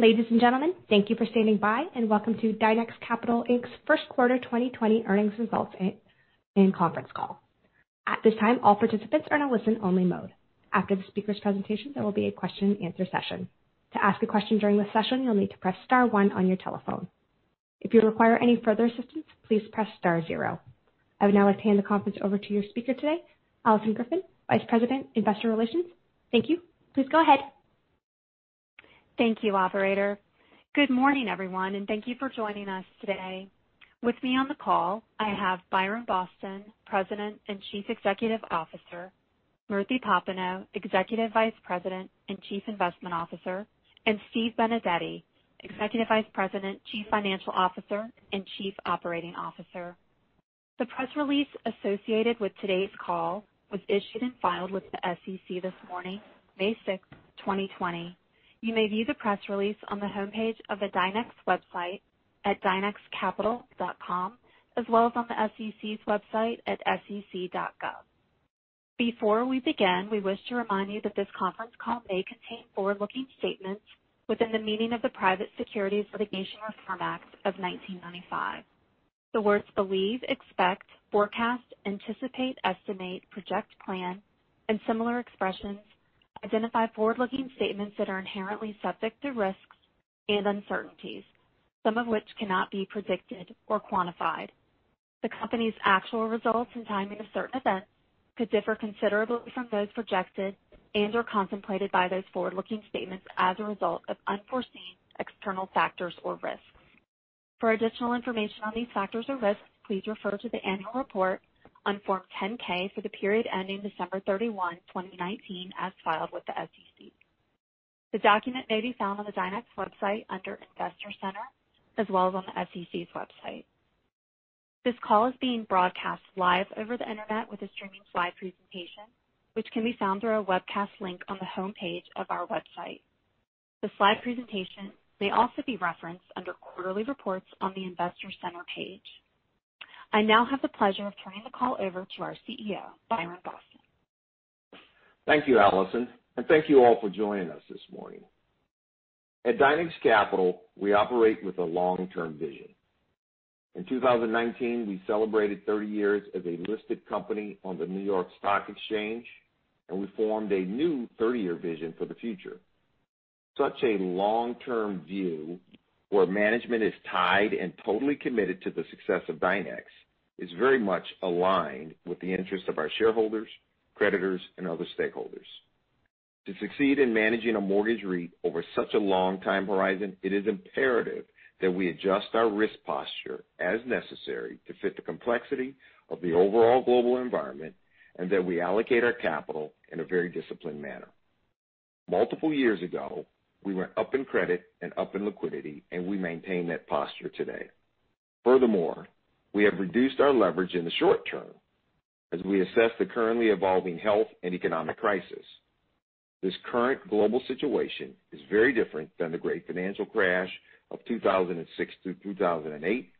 Ladies and gentlemen, thank you for standing by and welcome to Dynex Capital Inc.'s first quarter 2020 earnings results and conference call. At this time, all participants are in a listen only mode. After the speaker's presentation, there will be a question and answer session. To ask a question during the session, you'll need to press star one on your telephone. If you require any further assistance, please press star zero. I would now like to hand the conference over to your speaker today, Alison Griffin, Vice President, Investor Relations. Thank you. Please go ahead. Thank you, operator. Good morning, everyone, and thank you for joining us today. With me on the call, I have Byron Boston, President and Chief Executive Officer. Smriti Popenoe, Executive Vice President and Chief Investment Officer, and Steve Benedetti, Executive Vice President, Chief Financial Officer and Chief Operating Officer. The press release associated with today's call was issued and filed with the SEC this morning, May 6, 2020. You may view the press release on the homepage of the Dynex website at dynexcapital.com, as well as on the SEC's website at sec.gov. Before we begin, we wish to remind you that this conference call may contain forward-looking statements within the meaning of the Private Securities Litigation Reform Act of 1995. The words believe, expect, forecast, anticipate, estimate, project, plan, and similar expressions identify forward-looking statements that are inherently subject to risks and uncertainties, some of which cannot be predicted or quantified. The Company's actual results and timing of certain events could differ considerably from those projected and/or contemplated by those forward-looking statements as a result of unforeseen external factors or risks. For additional information on these factors or risks, please refer to the annual report on Form 10-K for the period ending December 31, 2019 as filed with the SEC. The document may be found on the Dynex website under Investor Center, as well as on the SEC's website. This call is being broadcast live over the Internet with a streaming slide presentation, which can be found through our webcast link on the homepage of our website. The slide presentation may also be referenced under Quarterly Reports on the Investor Center page. I now have the pleasure of turning the call over to our CEO, Byron Boston. Thank you, Alison, and thank you all for joining us this morning. At Dynex Capital, we operate with a long-term vision. In 2019, we celebrated 30 years as a listed company on the New York Stock Exchange, and we formed a new 30-year vision for the future. Such a long-term view where management is tied and totally committed to the success of Dynex is very much aligned with the interest of our shareholders, creditors, and other stakeholders. To succeed in managing a mortgage REIT over such a long time horizon, it is imperative that we adjust our risk posture as necessary to fit the complexity of the overall global environment and that we allocate our capital in a very disciplined manner. Multiple years ago, we went up in credit and up in liquidity, and we maintain that posture today. Furthermore, we have reduced our leverage in the short term as we assess the currently evolving health and economic crisis. This current global situation is very different than the great financial crash of 2006 through 2008,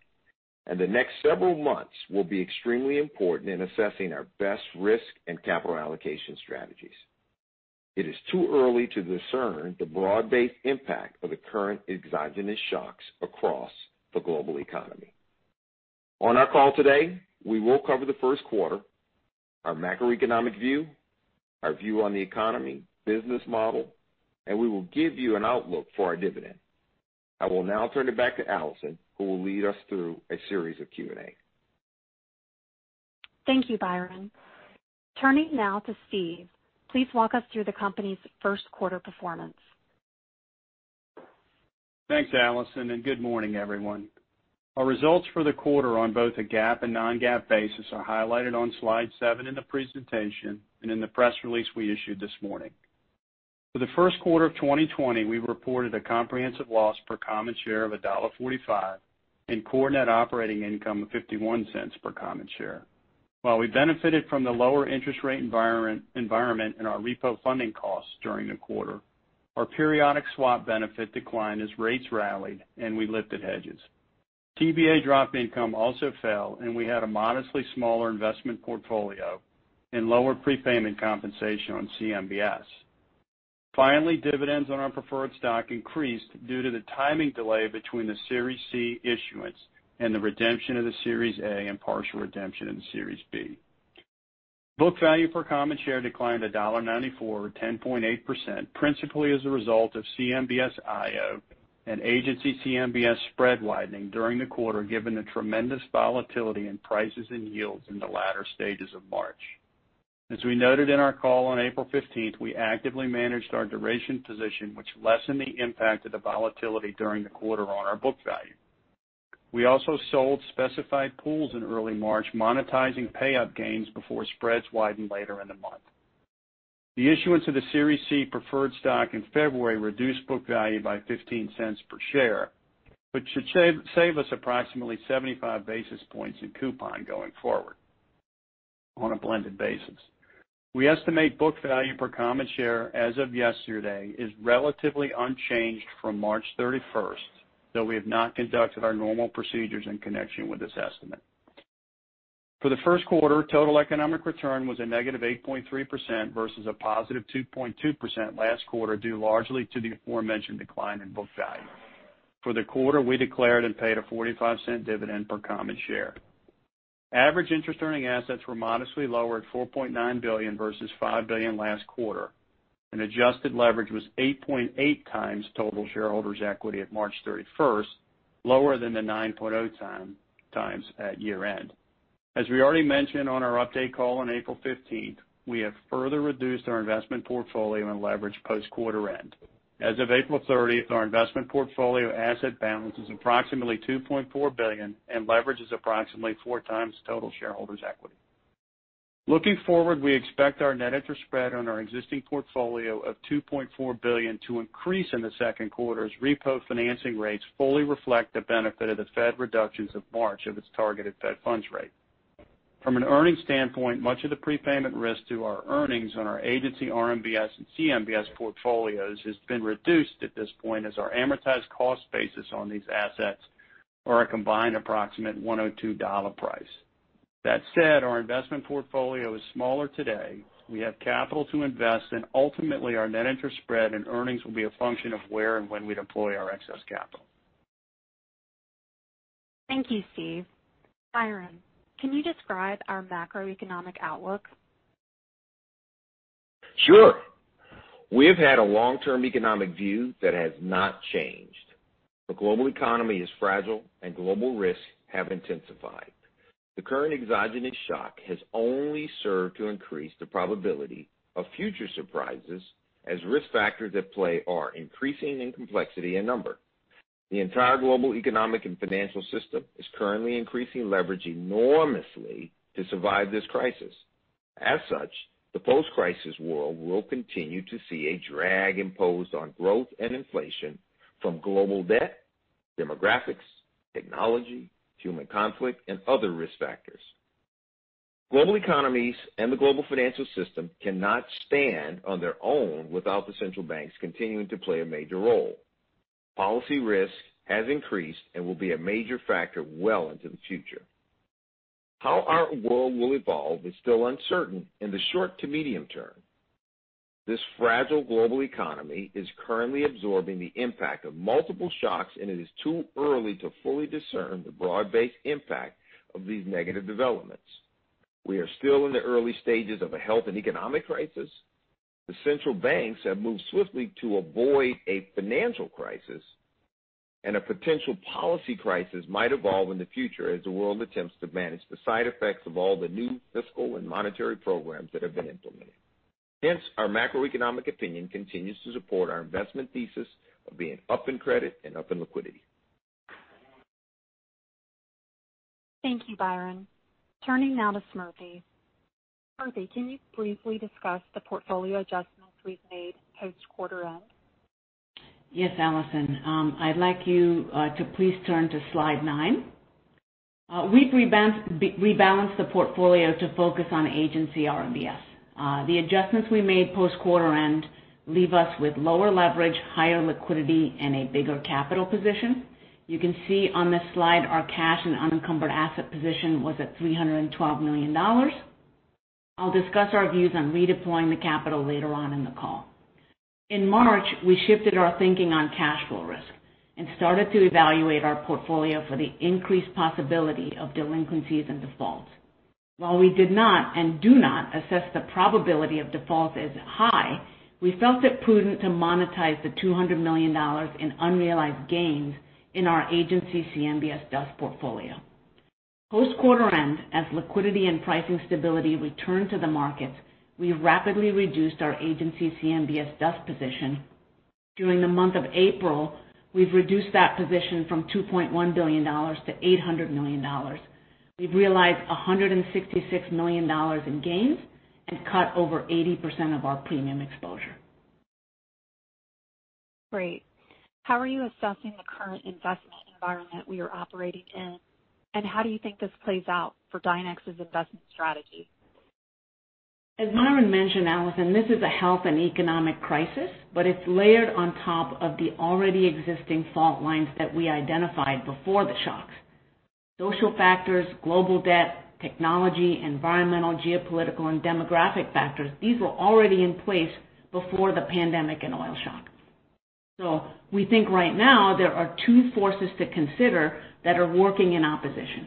and the next several months will be extremely important in assessing our best risk and capital allocation strategies. It is too early to discern the broad-based impact of the current exogenous shocks across the global economy. On our call today, we will cover the first quarter, our macroeconomic view, our view on the economy, business model, and we will give you an outlook for our dividend. I will now turn it back to Alison, who will lead us through a series of Q&A. Thank you, Byron. Turning now to Steve, please walk us through the company's first quarter performance. Thanks, Alison, and good morning, everyone. Our results for the quarter on both a GAAP and non-GAAP basis are highlighted on slide seven in the presentation and in the press release we issued this morning. For the first quarter of 2020, we reported a comprehensive loss per common share of $1.45 and core net operating income of $0.51 per common share. While we benefited from the lower interest rate environment in our repo funding costs during the quarter, our periodic swap benefit declined as rates rallied and we lifted hedges. TBA drop income also fell, and we had a modestly smaller investment portfolio and lower prepayment compensation on CMBS. Finally, dividends on our preferred stock increased due to the timing delay between the Series C issuance and the redemption of the Series A and partial redemption of the Series B. Book value per common share declined to $1.94 or 10.8%, principally as a result of CMBS IO and agency CMBS spread widening during the quarter given the tremendous volatility in prices and yields in the latter stages of March. As we noted in our call on April 15th, we actively managed our duration position which lessened the impact of the volatility during the quarter on our book value. We also sold specified pools in early March, monetizing payout gains before spreads widened later in the month. The issuance of the Series C preferred stock in February reduced book value by $0.15 per share, which should save us approximately 75 basis points in coupon going forward on a blended basis. We estimate book value per common share as of yesterday is relatively unchanged from March 31st, though we have not conducted our normal procedures in connection with this estimate. For the first quarter, total economic return was a negative 8.3% versus a positive 2.2% last quarter, due largely to the aforementioned decline in book value. For the quarter, we declared and paid a $0.45 dividend per common share. Average interest earning assets were modestly lower at $4.9 billion versus $5 billion last quarter, and adjusted leverage was 8.8 times total shareholders' equity at March 31st, lower than the 9.0 times at year-end. As we already mentioned on our update call on April 15th, we have further reduced our investment portfolio and leverage post-quarter end. As of April 30th, our investment portfolio asset balance is approximately $2.4 billion, and leverage is approximately four times total shareholders' equity. Looking forward, we expect our net interest spread on our existing portfolio of $2.4 billion to increase in the second quarter as repo financing rates fully reflect the benefit of the Fed reductions of March of its targeted fed funds rate. From an earnings standpoint, much of the prepayment risk to our earnings on our agency RMBS and CMBS portfolios has been reduced at this point as our amortized cost basis on these assets are a combined approximate $102 price. Our investment portfolio is smaller today. We have capital to invest, ultimately, our net interest spread and earnings will be a function of where and when we deploy our excess capital. Thank you, Steve. Byron, can you describe our macroeconomic outlook? Sure. We have had a long-term economic view that has not changed. The global economy is fragile, and global risks have intensified. The current exogenous shock has only served to increase the probability of future surprises as risk factors at play are increasing in complexity and number. The entire global economic and financial system is currently increasing leverage enormously to survive this crisis. As such, the post-crisis world will continue to see a drag imposed on growth and inflation from global debt, demographics, technology, human conflict, and other risk factors. Global economies and the global financial system cannot stand on their own without the central banks continuing to play a major role. Policy risk has increased and will be a major factor well into the future. How our world will evolve is still uncertain in the short to medium term. This fragile global economy is currently absorbing the impact of multiple shocks, and it is too early to fully discern the broad-based impact of these negative developments. We are still in the early stages of a health and economic crisis. The central banks have moved swiftly to avoid a financial crisis, and a potential policy crisis might evolve in the future as the world attempts to manage the side effects of all the new fiscal and monetary programs that have been implemented. Hence, our macroeconomic opinion continues to support our investment thesis of being up in credit and up in liquidity. Thank you, Byron. Turning now to Smriti. Smriti, can you briefly discuss the portfolio adjustments we've made post-quarter end? Yes, Alison. I'd like you to please turn to slide nine. We've rebalanced the portfolio to focus on agency RMBS. The adjustments we made post-quarter end leave us with lower leverage, higher liquidity, and a bigger capital position. You can see on this slide our cash and unencumbered asset position was at $312 million. I'll discuss our views on redeploying the capital later on in the call. In March, we shifted our thinking on cash flow risk and started to evaluate our portfolio for the increased possibility of delinquencies and defaults. While we did not and do not assess the probability of default as high, we felt it prudent to monetize the $200 million in unrealized gains in our agency CMBS DUS portfolio. Post-quarter end, as liquidity and pricing stability returned to the markets, we rapidly reduced our agency CMBS DUS position. During the month of April, we've reduced that position from $2.1 billion-$800 million. We've realized $166 million in gains and cut over 80% of our premium exposure. Great. How are you assessing the current investment environment we are operating in, and how do you think this plays out for Dynex's investment strategy? As Byron mentioned, Alison, this is a health and economic crisis, it's layered on top of the already existing fault lines that we identified before the shocks. Social factors, global debt, technology, environmental, geopolitical, and demographic factors. These were already in place before the pandemic and oil shock. We think right now there are two forces to consider that are working in opposition.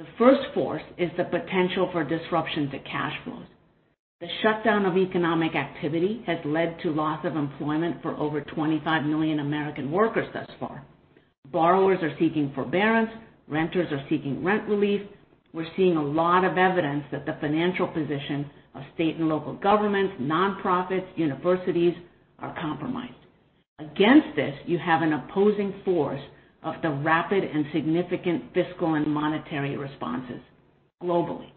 The first force is the potential for disruptions at cash flows. The shutdown of economic activity has led to loss of employment for over 25 million American workers thus far. Borrowers are seeking forbearance. Renters are seeking rent relief. We're seeing a lot of evidence that the financial position of state and local governments, nonprofits, universities, are compromised. Against this, you have an opposing force of the rapid and significant fiscal and monetary responses globally.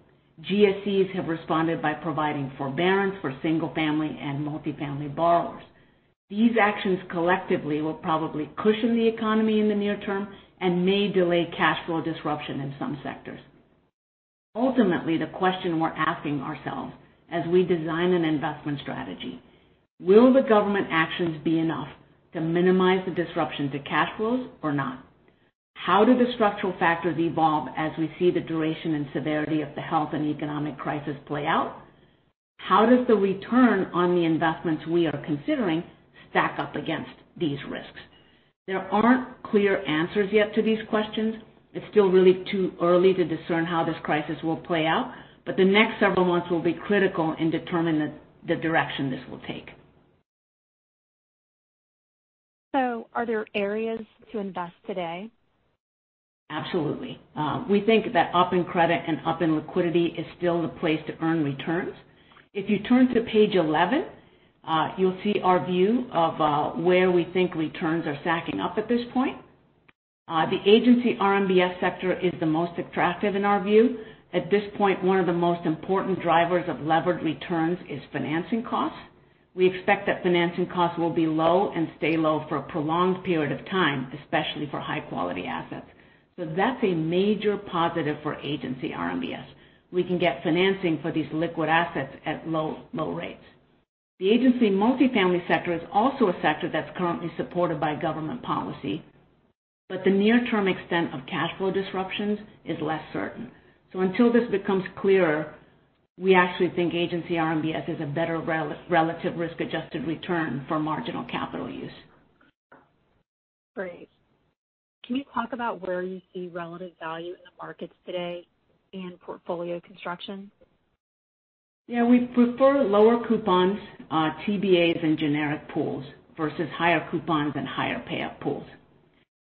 GSEs have responded by providing forbearance for single-family and multi-family borrowers. These actions collectively will probably cushion the economy in the near term and may delay cash flow disruption in some sectors. Ultimately, the question we're asking ourselves as we design an investment strategy is, Will the government actions be enough to minimize the disruption to cash flows or not? How do the structural factors evolve as we see the duration and severity of the health and economic crisis play out? How does the return on the investments we are considering stack up against these risks? There aren't clear answers yet to these questions. It's still really too early to discern how this crisis will play out, but the next several months will be critical in determining the direction this will take. Are there areas to invest today? Absolutely. We think that up in credit and up in liquidity is still the place to earn returns. If you turn to page 11, you'll see our view of where we think returns are stacking up at this point. The agency RMBS sector is the most attractive in our view. At this point, one of the most important drivers of levered returns is financing costs. We expect that financing costs will be low and stay low for a prolonged period of time, especially for high-quality assets. That's a major positive for agency RMBS. We can get financing for these liquid assets at low rates. The agency multifamily sector is also a sector that's currently supported by government policy, but the near-term extent of cash flow disruptions is less certain. Until this becomes clearer, we actually think agency RMBS is a better relative risk-adjusted return for marginal capital use. Great. Can you talk about where you see relative value in the markets today and portfolio construction? We prefer lower coupons, TBAs, and generic pools versus higher coupons and higher payout pools.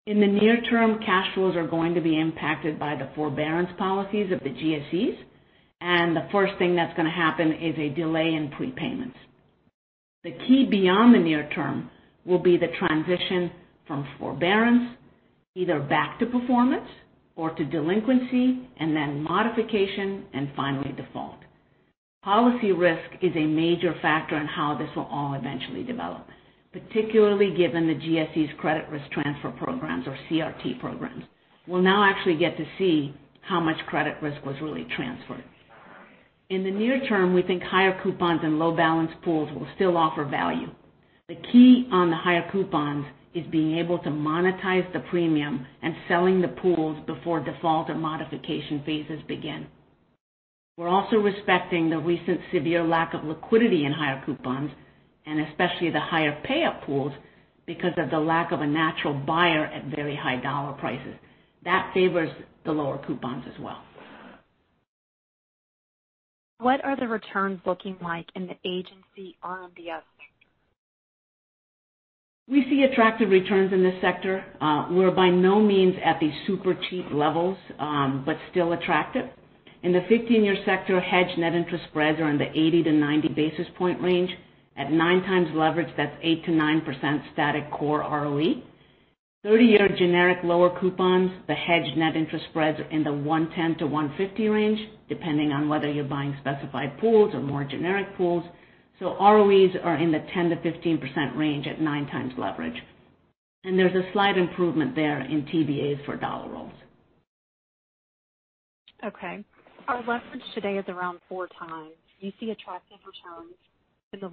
In the near term, cash flows are going to be impacted by the forbearance policies of the GSEs, and the first thing that's going to happen is a delay in prepayments. The key beyond the near term will be the transition from forbearance either back to performance or to delinquency and then modification and finally default. Policy risk is a major factor in how this will all eventually develop, particularly given the GSE's credit risk transfer programs or CRT programs. We'll now actually get to see how much credit risk was really transferred. In the near term, we think higher coupons and low balance pools will still offer value. The key on the higher coupons is being able to monetize the premium and selling the pools before default or modification phases begin. We're also respecting the recent severe lack of liquidity in higher coupons, and especially the higher payout pools because of the lack of a natural buyer at very high dollar prices. That favors the lower coupons as well. What are the returns looking like in the agency RMBS? We see attractive returns in this sector. We're by no means at the super cheap levels, but still attractive. In the 15-year sector, hedged net interest spreads are in the 80-90 basis point range. At 9x leverage, that's 8%-9% static core ROE. 30-year generic lower coupons, the hedged net interest spreads are in the 110-150 range, depending on whether you're buying specified pools or more generic pools. ROEs are in the 10%-15% range at 9x leverage. There's a slight improvement there in TBAs for dollar rolls. Okay. Our leverage today is around 4x. Do you see attractive returns in the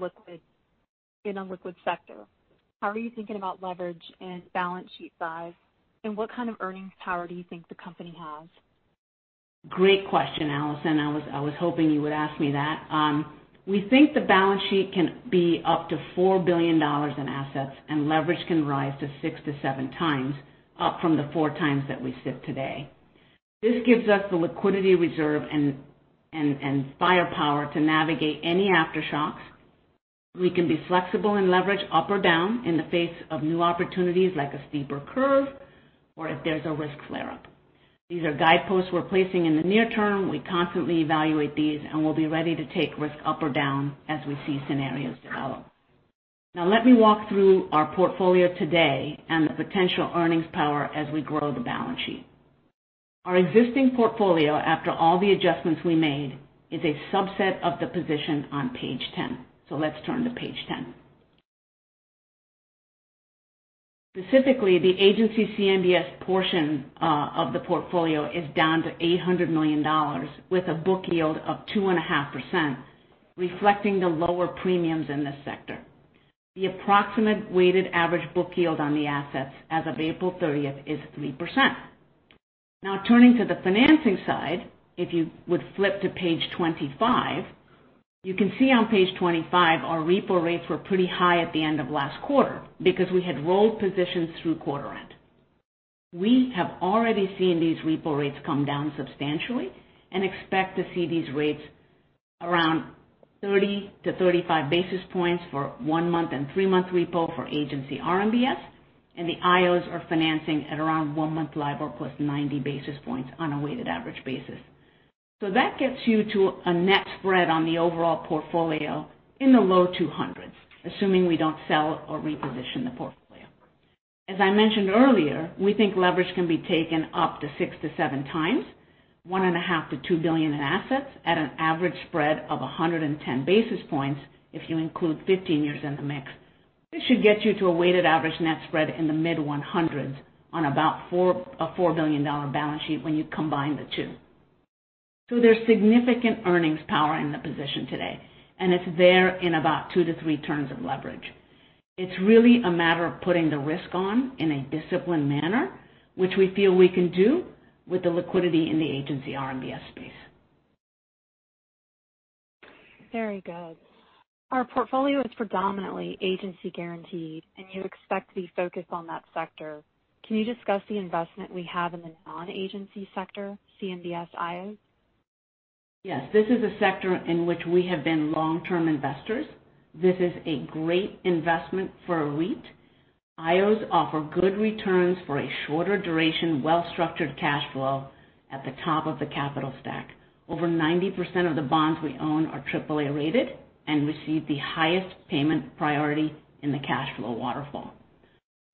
liquid sector? How are you thinking about leverage and balance sheet size, and what kind of earnings power do you think the company has? Great question, Alison. I was hoping you would ask me that. We think the balance sheet can be up to $4 billion in assets, and leverage can rise to six to seven times up from the four times that we sit today. This gives us the liquidity reserve and firepower to navigate any aftershocks. We can be flexible and leverage up or down in the face of new opportunities like a steeper curve or if there's a risk flare-up. These are guideposts we're placing in the near term. We constantly evaluate these, and we'll be ready to take risk up or down as we see scenarios develop. Now, let me walk through our portfolio today and the potential earnings power as we grow the balance sheet. Our existing portfolio, after all the adjustments we made, is a subset of the position on page 10. Let's turn to page 10. Specifically, the agency CMBS portion of the portfolio is down to $800 million with a book yield of 2.5%, reflecting the lower premiums in this sector. The approximate weighted average book yield on the assets as of April 30th is 3%. Now turning to the financing side, if you would flip to page 25, you can see on page 25 our repo rates were pretty high at the end of last quarter because we had rolled positions through quarter end. We have already seen these repo rates come down substantially and expect to see these rates around 30 basis points-35 basis points for one-month and three-month repo for agency RMBS, and the IOs are financing at around one-month LIBOR plus 90 basis points on a weighted average basis. That gets you to a net spread on the overall portfolio in the low 200s, assuming we don't sell or reposition the portfolio. As I mentioned earlier, we think leverage can be taken up to 6x to 7x, $1.5 billion-$2 billion in assets at an average spread of 110 basis points, if you include 15 years in the mix. This should get you to a weighted average net spread in the mid 100s on about a $4 billion balance sheet when you combine the two. There's significant earnings power in the position today, and it's there in about two to three turns of leverage. It's really a matter of putting the risk on in a disciplined manner, which we feel we can do with the liquidity in the agency RMBS space. Very good. Our portfolio is predominantly agency guaranteed, and you expect to be focused on that sector. Can you discuss the investment we have in the non-agency sector, CMBS IOs? Yes. This is a sector in which we have been long-term investors. This is a great investment for a REIT. IOs offer good returns for a shorter duration, well-structured cash flow at the top of the capital stack. Over 90% of the bonds we own are AAA rated and receive the highest payment priority in the cash flow waterfall.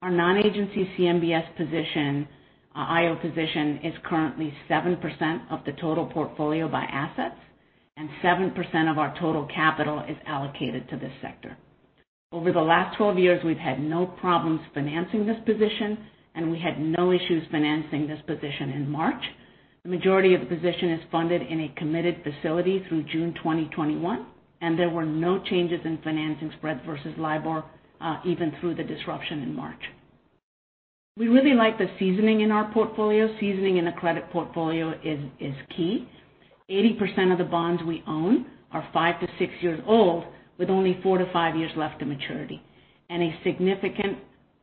Our non-agency CMBS position, IO position is currently 7% of the total portfolio by assets, and 7% of our total capital is allocated to this sector. Over the last 12 years, we've had no problems financing this position, and we had no issues financing this position in March. The majority of the position is funded in a committed facility through June 2021, and there were no changes in financing spreads versus LIBOR, even through the disruption in March. We really like the seasoning in our portfolio. Seasoning in a credit portfolio is key. 80% of the bonds we own are five-six years old with only four-five years left of maturity, and a significant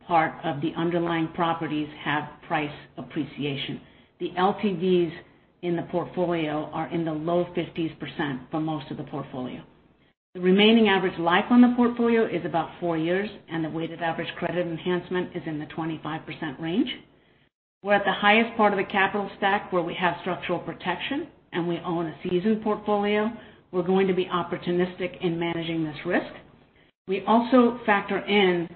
part of the underlying properties have price appreciation. The LTVs in the portfolio are in the low 50s% for most of the portfolio. The remaining average life on the portfolio is about four years, and the weighted average credit enhancement is in the 25% range. We're at the highest part of the capital stack where we have structural protection, and we own a seasoned portfolio. We're going to be opportunistic in managing this risk. We also factor in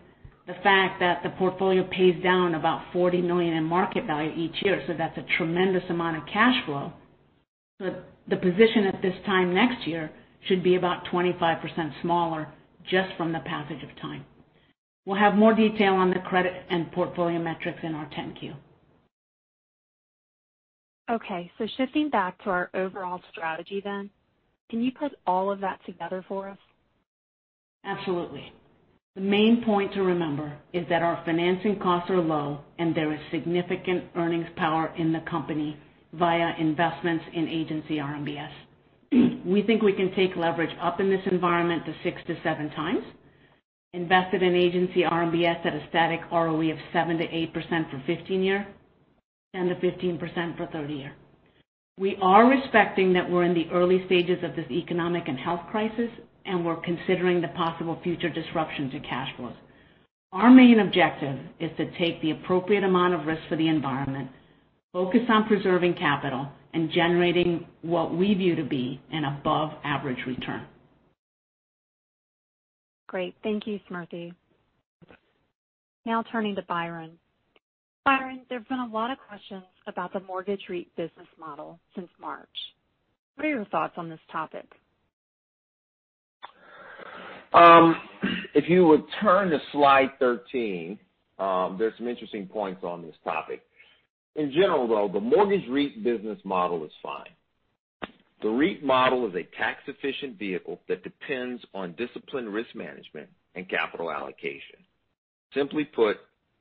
the fact that the portfolio pays down about $40 million in market value each year, so that's a tremendous amount of cash flow. The position at this time next year should be about 25% smaller just from the passage of time. We'll have more detail on the credit and portfolio metrics in our 10-Q. Okay. Shifting back to our overall strategy then, can you put all of that together for us? Absolutely. The main point to remember is that our financing costs are low, and there is significant earnings power in the company via investments in agency RMBS. We think we can take leverage up in this environment to 6x-7x, invested in agency RMBS at a static ROE of 7%-8% for 15-year and to 15% for 30-year. We are respecting that we're in the early stages of this economic and health crisis, and we're considering the possible future disruptions to cash flows. Our main objective is to take the appropriate amount of risk for the environment, focus on preserving capital, and generating what we view to be an above-average return. Great. Thank you, Smriti. Turning to Byron. Byron, there've been a lot of questions about the mortgage REIT business model since March. What are your thoughts on this topic? If you would turn to slide 13, there's some interesting points on this topic. In general, though, the mortgage REIT business model is fine. The REIT model is a tax-efficient vehicle that depends on disciplined risk management and capital allocation. Simply put,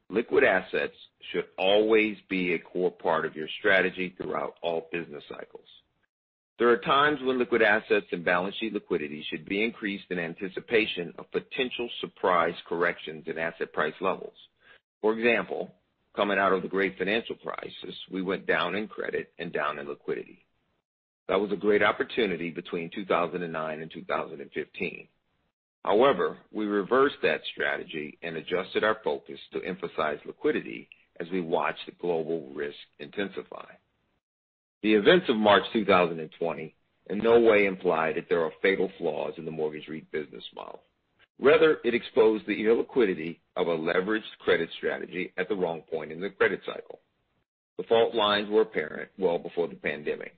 liquid assets should always be a core part of your strategy throughout all business cycles. There are times when liquid assets and balance sheet liquidity should be increased in anticipation of potential surprise corrections in asset price levels. For example, coming out of the great financial crisis, we went down in credit and down in liquidity. That was a great opportunity between 2009 and 2015. However, we reversed that strategy and adjusted our focus to emphasize liquidity as we watched the global risk intensify. The events of March 2020 in no way imply that there are fatal flaws in the mortgage REIT business model. Rather, it exposed the illiquidity of a leveraged credit strategy at the wrong point in the credit cycle. Default lines were apparent well before the pandemic.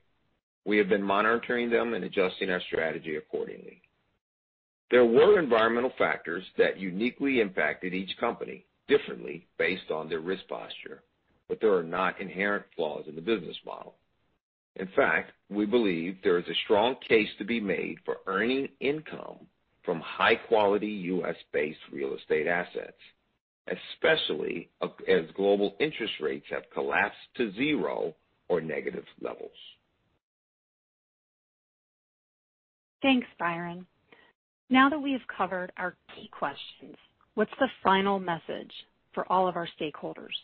We have been monitoring them and adjusting our strategy accordingly. There were environmental factors that uniquely impacted each company differently based on their risk posture, but there are not inherent flaws in the business model. In fact, we believe there is a strong case to be made for earning income from high-quality U.S.-based real estate assets, especially as global interest rates have collapsed to zero or negative levels. Thanks, Byron. Now that we have covered our key questions, what's the final message for all of our stakeholders?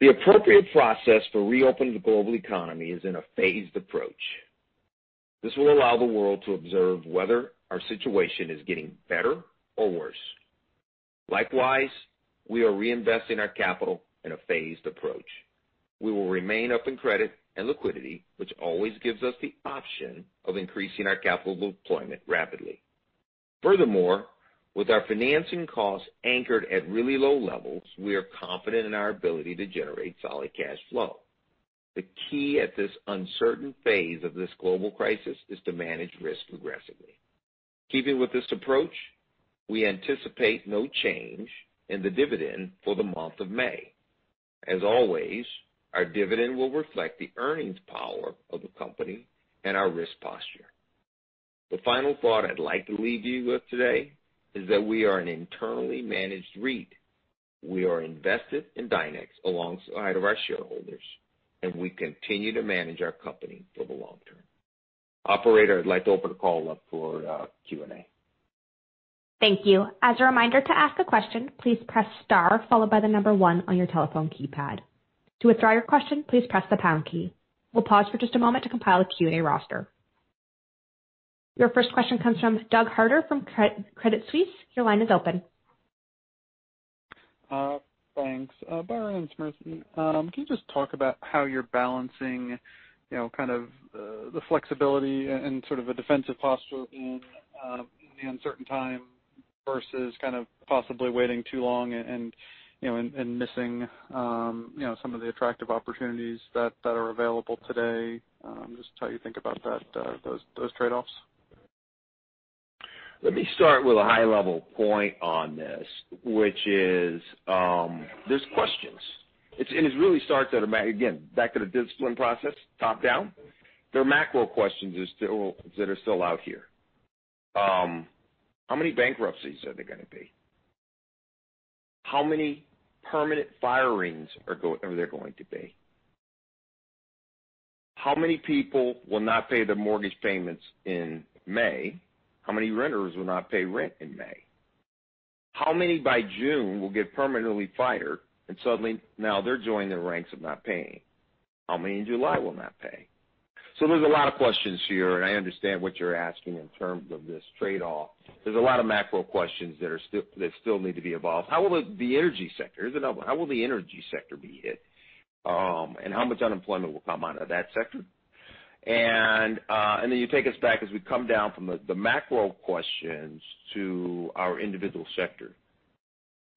The appropriate process for reopening the global economy is in a phased approach. This will allow the world to observe whether our situation is getting better or worse. Likewise, we are reinvesting our capital in a phased approach. We will remain up in credit and liquidity, which always gives us the option of increasing our capital deployment rapidly. Furthermore, with our financing costs anchored at really low levels, we are confident in our ability to generate solid cash flow. The key at this uncertain phase of this global crisis is to manage risk aggressively. Keeping with this approach, we anticipate no change in the dividend for the month of May. As always, our dividend will reflect the earnings power of the company and our risk posture. The final thought I'd like to leave you with today is that we are an internally managed REIT. We are invested in Dynex alongside our shareholders, and we continue to manage our company for the long term. Operator, I'd like to open the call up for Q&A. Thank you. As a reminder, to ask a question, please press star followed by the number one on your telephone keypad. To withdraw your question, please press the pound key. We'll pause for just a moment to compile a Q&A roster. Your first question comes from Doug Harter from Credit Suisse. Your line is open. Thanks. Byron and Smriti, can you just talk about how you're balancing kind of the flexibility and sort of a defensive posture in the uncertain time versus kind of possibly waiting too long and missing some of the attractive opportunities that are available today? Just how you think about those trade-offs. Let me start with a high-level point on this, which is, there's questions. It really starts at, again, back to the discipline process, top-down. There are macro questions that are still out here. How many bankruptcies are there going to be? How many permanent firings are there going to be? How many people will not pay their mortgage payments in May? How many renters will not pay rent in May? How many by June will get permanently fired, and suddenly now they're joining the ranks of not paying? How many in July will not pay? There's a lot of questions here, and I understand what you're asking in terms of this trade-off. There's a lot of macro questions that still need to be involved. Here's another one. How will the energy sector be hit? How much unemployment will come out of that sector? Then you take us back as we come down from the macro questions to our individual sector.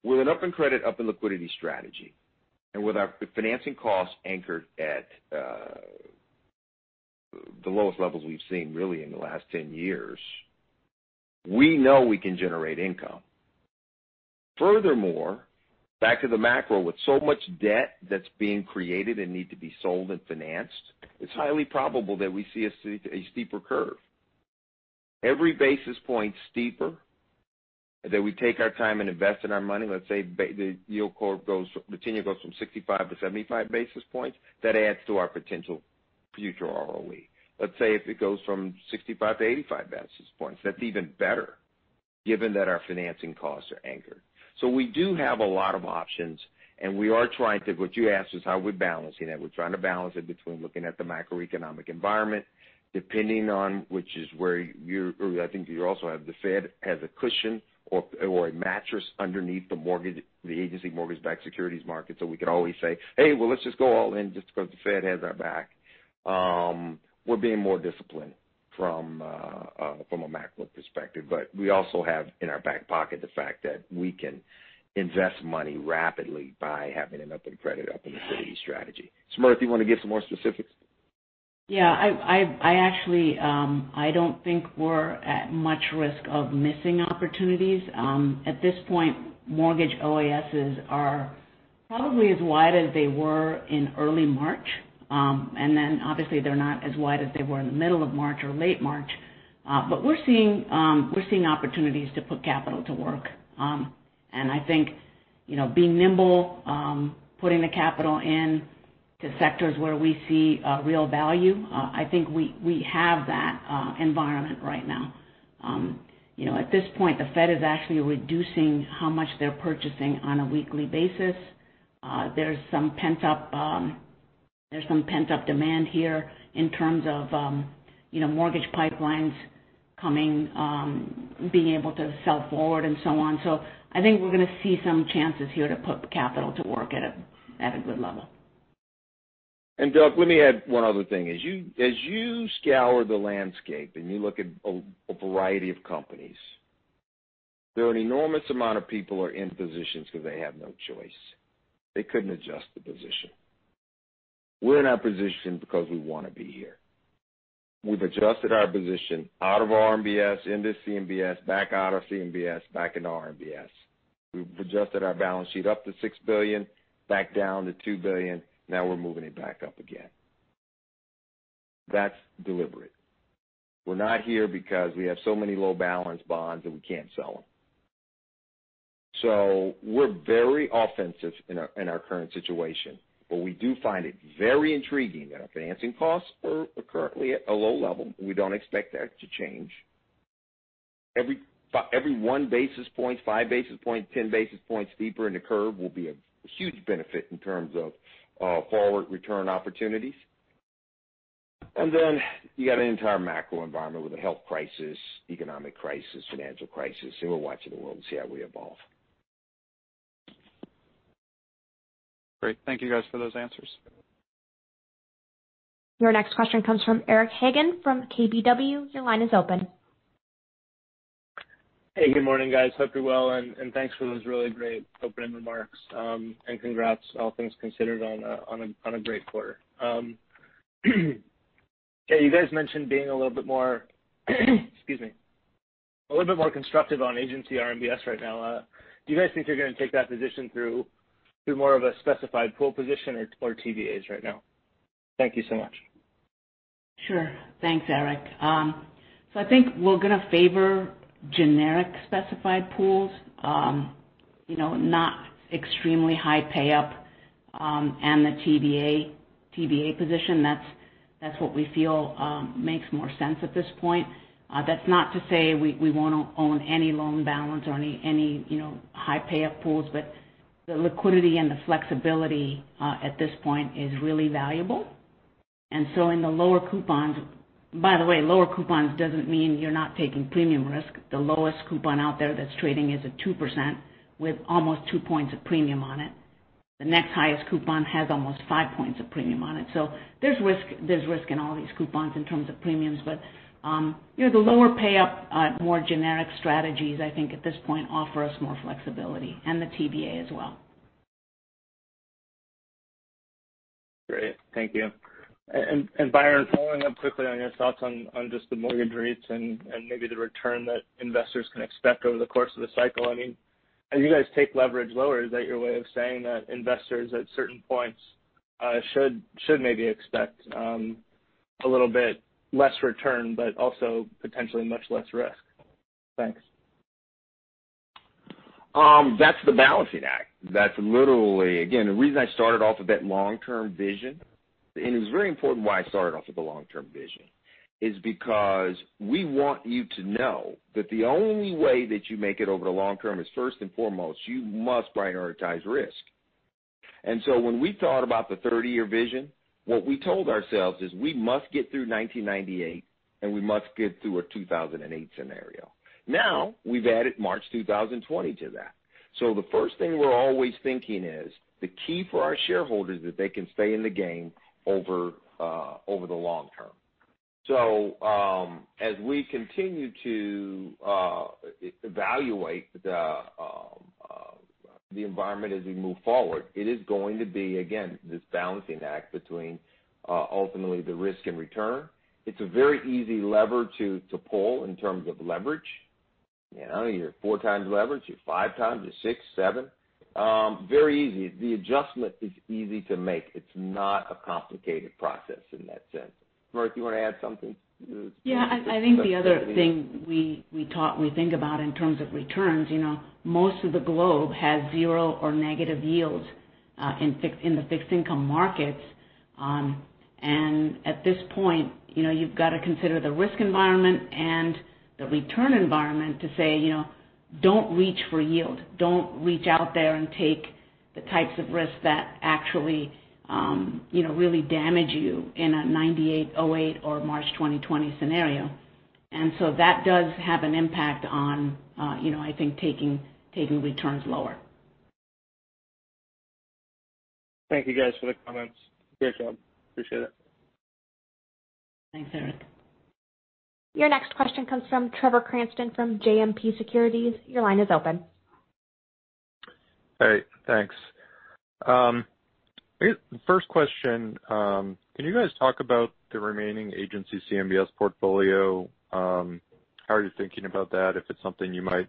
With an open credit, open liquidity strategy, and with our financing costs anchored at the lowest levels we've seen really in the last 10 years, we know we can generate income. Furthermore, back to the macro, with so much debt that's being created and need to be sold and financed, it's highly probable that we see a steeper curve. Every basis point steeper that we take our time and invest in our money, let's say the yield core goes, Virginia goes from 65-75 basis points, that adds to our potential future ROE. Let's say if it goes from 65-85 basis points, that's even better, given that our financing costs are anchored. We do have a lot of options, and we are trying to, what you asked is how we're balancing it. We're trying to balance it between looking at the macroeconomic environment, depending on which is where or I think you also have the Fed has a cushion or a mattress underneath the agency mortgage-backed securities market. We could always say, "Hey, well, let's just go all in just because the Fed has our back." We're being more disciplined from a macro perspective. We also have in our back pocket the fact that we can invest money rapidly by having an open credit, open liquidity strategy. Smriti, you want to give some more specifics? Yeah. I don't think we're at much risk of missing opportunities. At this point, mortgage OASs are probably as wide as they were in early March, then obviously they're not as wide as they were in the middle of March or late March. We're seeing opportunities to put capital to work. I think being nimble, putting the capital into sectors where we see real value, I think we have that environment right now. At this point, the Fed is actually reducing how much they're purchasing on a weekly basis. There's some pent-up demand here in terms of mortgage pipelines being able to sell forward and so on. I think we're going to see some chances here to put capital to work at a good level. Doug Harter, let me add one other thing. As you scour the landscape and you look at a variety of companies, there are an enormous amount of people are in positions because they have no choice. They couldn't adjust the position. We're in our position because we want to be here. We've adjusted our position out of RMBS into CMBS, back out of CMBS, back into RMBS. We've adjusted our balance sheet up to $6 billion, back down to $2 billion. Now we're moving it back up again. That's deliberate. We're not here because we have so many low-balance bonds that we can't sell them. We're very offensive in our current situation, but we do find it very intriguing that our financing costs are currently at a low level. We don't expect that to change. Every one basis point, five basis points, 10 basis points deeper in the curve will be a huge benefit in terms of forward return opportunities. You got an entire macro environment with a health crisis, economic crisis, financial crisis, and we're watching the world to see how we evolve. Great. Thank you guys for those answers. Your next question comes from Eric Hagen from KBW. Your line is open. Hey, good morning, guys. Hope you're well, thanks for those really great opening remarks. Congrats, all things considered, on a great quarter. Okay, you guys mentioned being a little bit more, excuse me, a little bit more constructive on agency RMBS right now. Do you guys think you're going to take that position through more of a specified pool position or TBAs right now? Thank you so much. Sure. Thanks, Eric. I think we're going to favor generic specified pools. Not extremely high pay-up and the TBA position. That's what we feel makes more sense at this point. That's not to say we won't own any loan balance or any high pay-up pools, but the liquidity and the flexibility at this point is really valuable. In the lower coupons. By the way, lower coupons doesn't mean you're not taking premium risk. The lowest coupon out there that's trading is at 2% with almost two points of premium on it. The next highest coupon has almost five points of premium on it. There's risk in all these coupons in terms of premiums. The lower pay-up, more generic strategies, I think at this point offer us more flexibility and the TBA as well. Great. Thank you. Byron, following up quickly on your thoughts on just the mortgage rates and maybe the return that investors can expect over the course of the cycle. As you guys take leverage lower, is that your way of saying that investors at certain points should maybe expect a little bit less return but also potentially much less risk? Thanks. That's the balancing act. That's literally Again, the reason I started off with that long-term vision, and it's very important why I started off with the long-term vision, is because we want you to know that the only way that you make it over the long term is first and foremost, you must prioritize risk. When we thought about the 30-year vision, what we told ourselves is we must get through 1998, and we must get through a 2008 scenario. Now, we've added March 2020 to that. The first thing we're always thinking is the key for our shareholders is that they can stay in the game over the long term. As we continue to evaluate the environment as we move forward, it is going to be, again, this balancing act between ultimately the risk and return. It's a very easy lever to pull in terms of leverage. You're four times leverage, you're five times, you're six, seven. Very easy. The adjustment is easy to make. It's not a complicated process in that sense. Smriti, you want to add something? I think the other thing we think about in terms of returns, most of the globe has zero or negative yields in the fixed income markets. At this point, you've got to consider the risk environment and the return environment to say, "Don't reach for yield. Don't reach out there and take the types of risks that actually really damage you in a 1998, 2008 or March 2020 scenario." That does have an impact on I think taking returns lower. Thank you guys for the comments. Great job. Appreciate it. Thanks, Eric. Your next question comes from Trevor Cranston from JMP Securities. Your line is open. Hey, thanks. First question, can you guys talk about the remaining agency CMBS portfolio? How are you thinking about that? If it's something you might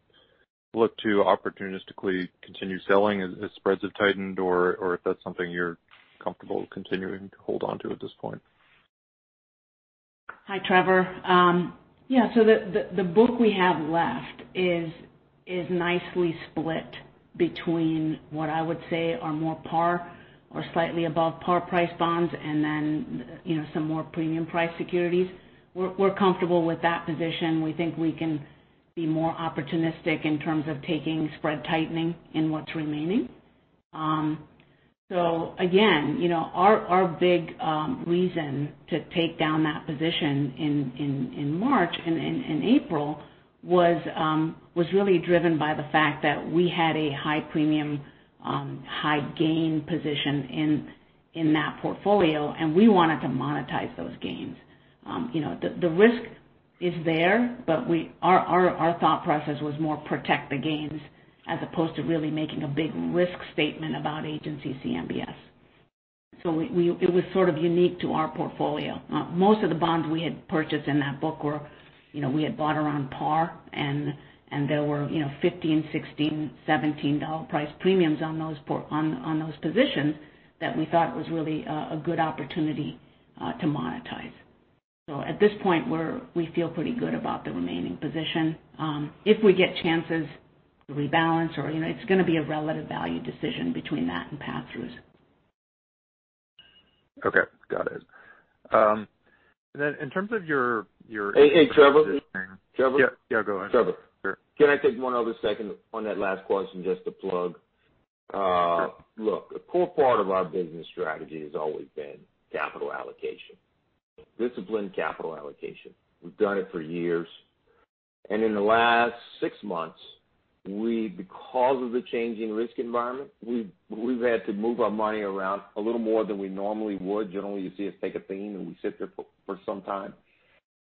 look to opportunistically continue selling as spreads have tightened, or if that's something you're comfortable continuing to hold onto at this point? Hi, Trevor. Yeah, the book we have left is nicely split between what I would say are more par or slightly above par price bonds and then some more premium price securities. We're comfortable with that position. We think we can be more opportunistic in terms of taking spread tightening in what's remaining. Again, our big reason to take down that position in March and April was really driven by the fact that we had a high premium, high gain position in that portfolio, and we wanted to monetize those gains. The risk is there, but our thought process was more protect the gains as opposed to really making a big risk statement about agency CMBS. It was sort of unique to our portfolio. Most of the bonds we had purchased in that book we had bought around par, and there were $15, $16, $17 price premiums on those positions that we thought was really a good opportunity to monetize. At this point, we feel pretty good about the remaining position. If we get chances to rebalance or it's going to be a relative value decision between that and pass-throughs. Okay. Got it. Hey, Trevor? Yeah, go ahead. Trevor. Sure. Can I take one other second on that last question just to plug? Sure. A core part of our business strategy has always been capital allocation. Disciplined capital allocation. We've done it for years. In the last six months, because of the changing risk environment, we've had to move our money around a little more than we normally would. Generally, you see us take a theme, and we sit there for some time.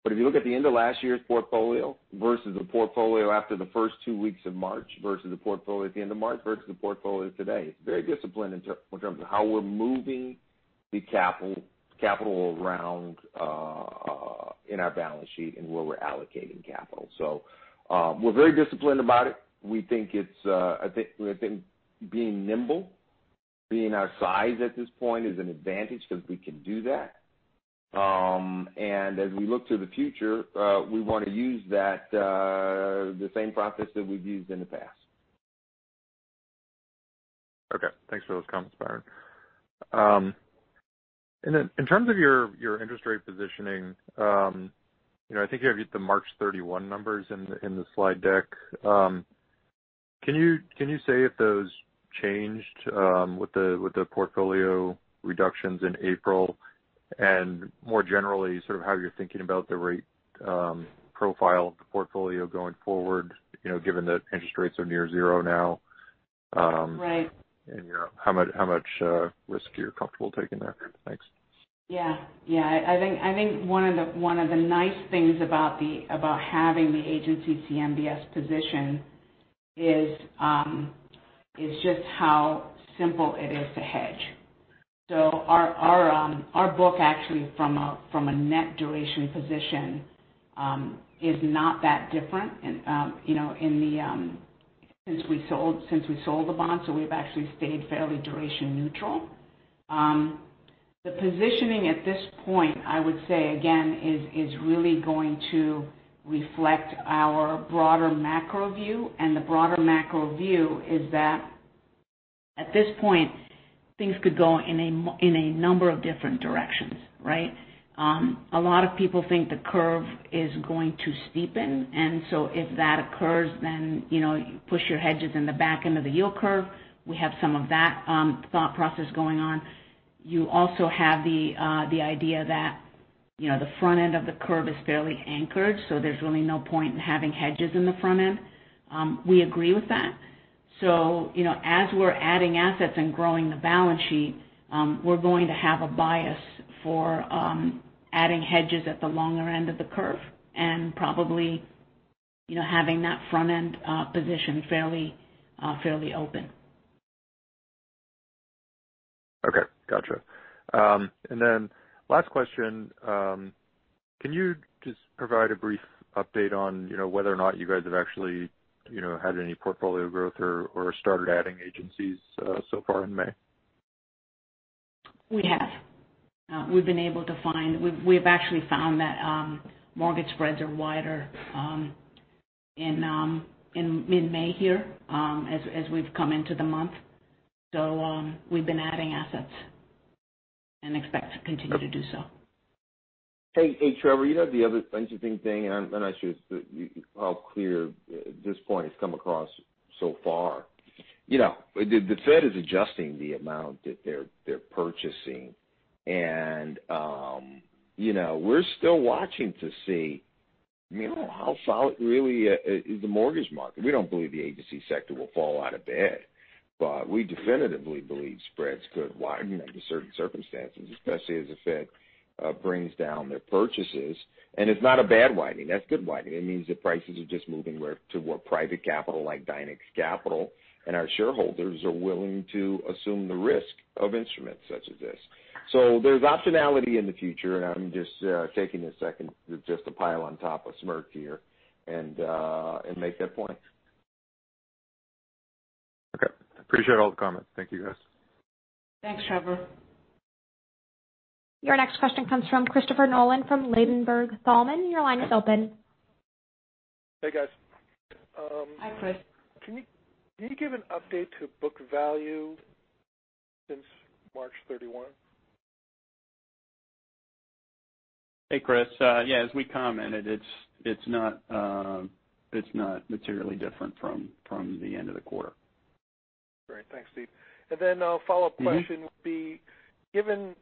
If you look at the end of last year's portfolio versus the portfolio after the first two weeks of March, versus the portfolio at the end of March, versus the portfolio today, very disciplined in terms of how we're moving the capital around in our balance sheet and where we're allocating capital. We're very disciplined about it. We think being nimble, being our size at this point is an advantage because we can do that. As we look to the future, we want to use the same process that we've used in the past. Okay. Thanks for those comments, Byron. In terms of your interest rate positioning, I think you have the March 31 numbers in the slide deck. Can you say if those changed with the portfolio reductions in April? More generally, sort of how you're thinking about the rate profile of the portfolio going forward given that interest rates are near zero now? Right How much risk you're comfortable taking there? Thanks. Yeah. I think one of the nice things about having the agency CMBS position is just how simple it is to hedge. Our book actually from a net duration position, is not that different since we sold the bonds. We've actually stayed fairly duration neutral. The positioning at this point, I would say again, is really going to reflect our broader macro view. The broader macro view is that at this point, things could go in a number of different directions, right? A lot of people think the curve is going to steepen. If that occurs, then you push your hedges in the back end of the yield curve. We have some of that thought process going on. You also have the idea that the front end of the curve is fairly anchored, so there's really no point in having hedges in the front end. We agree with that. As we're adding assets and growing the balance sheet, we're going to have a bias for adding hedges at the longer end of the curve and probably having that front-end position fairly open. Okay. Got you. Then last question. Can you just provide a brief update on whether or not you guys have actually had any portfolio growth or started adding agencies so far in May? We have. We've actually found that mortgage spreads are wider in mid-May here, as we've come into the month. We've been adding assets and expect to continue to do so. Hey, Trevor, the other interesting thing, I'm not sure how clear this point has come across so far. The Fed is adjusting the amount that they're purchasing. We're still watching to see how solid really is the mortgage market. We don't believe the agency sector will fall out of bed, but we definitively believe spreads could widen under certain circumstances, especially as the Fed brings down their purchases. It's not a bad widening. That's good widening. It means that prices are just moving to where private capital like Dynex Capital and our shareholders are willing to assume the risk of instruments such as this. There's optionality in the future, and I'm just taking a second just to pile on top of Smriti here and make that point. Okay. Appreciate all the comments. Thank you, guys. Thanks, Trevor. Your next question comes from Christopher Nolan from Ladenburg Thalmann. Your line is open. Hey, guys. Hi, Chris. Can you give an update to book value since March 31? Hey, Chris. Yeah, as we commented, it's not materially different from the end of the quarter. Great. Thanks, Steve. Then a follow-up question would be, given